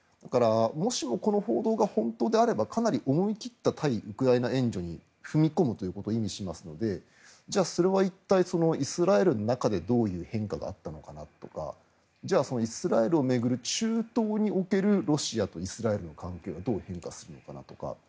もしもこの報道が本当であれば思い切った対ウクライナ援助に踏み込むということを意味しますのでそれは一体、イスラエルの中でどういう変化があったのかなとかじゃあ、イスラエルを巡る中東におけるロシアとイスラエルの関係はどう変化するのかとか。